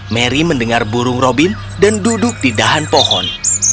mary mendengar burung robin dan duduk di dahan pohon